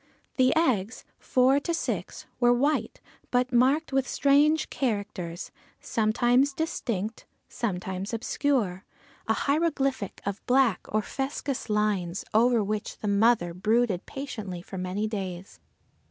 The eggs, four to six, were white, but marked with strange characters, sometimes distinct, sometimes obscure, a hieroglyphic of black or fuscous lines, over which the mother brooded patiently for many days.